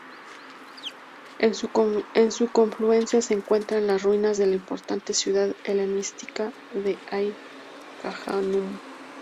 En su confluencia se encuentran las ruinas de la importante ciudad helenística de Ai-Khanum.